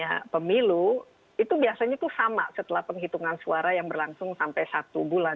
nah pemilu itu biasanya itu sama setelah penghitungan suara yang berlangsung sampai satu bulan